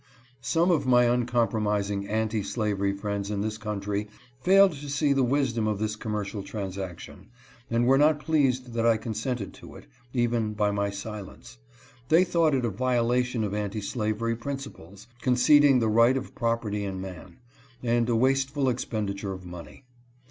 Some of my uncompromising anti slavery friends in this country failed to see the wisdom of this commercial transaction, and were not pleased that I consented to it, even by my silence. They thought it a violation of anti slavery principles, conceding the right of property in man, and a wasteful expenditure of money.